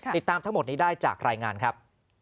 ติดตามทั้งหมดนี้ได้จากรายงานครับ